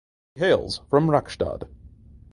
He hails from Rakkestad.